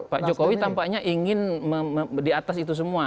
pak jokowi tampaknya ingin di atas itu semua